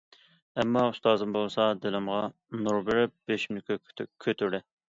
ئەمما ئۇستازىم بولسا دىلىمغا نۇر بېرىپ، بېشىمنى كۆككە كۆتۈردى.